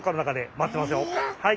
はい。